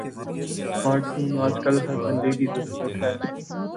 smart phone آج کل ہر بندے کی ضرورت ہے